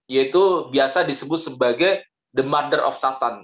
yaitu biasa disebut sebagai the mother of chattan